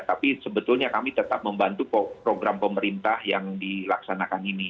tapi sebetulnya kami tetap membantu program pemerintah yang dilaksanakan ini